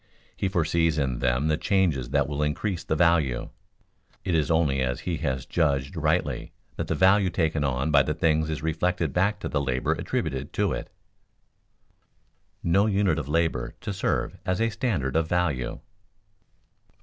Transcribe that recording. He foresees in them the changes that will increase the value. It is only as he has judged rightly that the value taken on by the things is reflected back to the labor attributed to it. [Sidenote: No unit of labor to serve as a standard of value] 4.